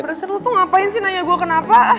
tau gue lagi beres beres lo tuh ngapain sih nanya gue kenapa